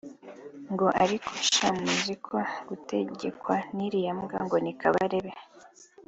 ngo “ariko sha muzi ko dutegekwa n’iriya mbwa ngo ni Kabarebe